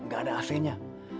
gak ada ac nya